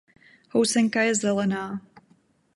Housenka je zelená.